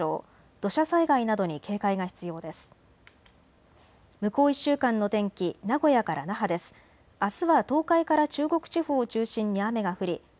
土砂災害などに警戒が必要です。